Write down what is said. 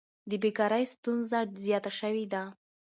د بیکارۍ ستونزه زیاته شوې ده.